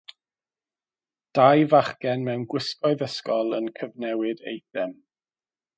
Dau fachgen mewn gwisgoedd ysgol yn cyfnewid eitem.